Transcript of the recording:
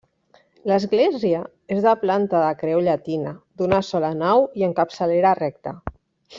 L'església és de planta de creu llatina, d'una sola nau i amb capçalera recta.